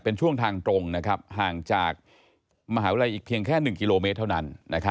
เป็นช่วงทางตรงห่างจากมหาวิทยาลัยอีกเพียงแค่๑กิโลเมตรเท่านั้น